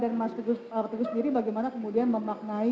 apakah keputusan anda untuk menangkan kemenangan pada hari ini